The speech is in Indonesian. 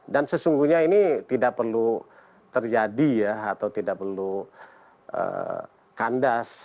dan sesungguhnya ini tidak perlu terjadi ya atau tidak perlu kandas